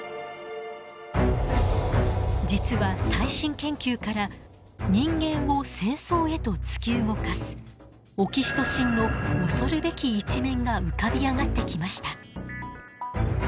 実は最新研究から人間を戦争へと突き動かすオキシトシンの恐るべき一面が浮かび上がってきました。